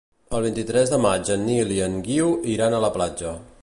El vint-i-tres de maig en Nil i en Guiu iran a la platja.